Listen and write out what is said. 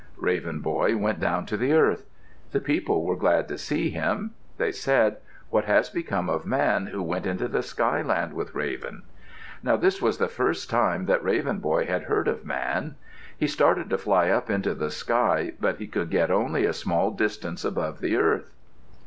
Raven Boy went down to the earth. The people were glad to see him. They said, "What has become of Man who went into the skyland with Raven?" Now this was the first time that Raven Boy had heard of Man. He started to fly up into the sky, but he could get only a small distance above the earth.